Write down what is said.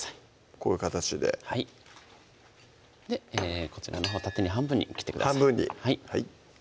こういう形ではいこちらのほう縦に半分に切ってください